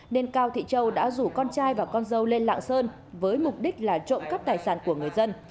nên cao thị châu đã rủ con trai và con dâu lên lạng sơn với mục đích là trộm cắp tài sản của người dân